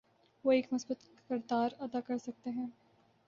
وہ ایک مثبت کردار ادا کرسکتے ہیں۔